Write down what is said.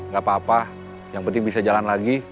gak apa apa yang penting bisa jalan lagi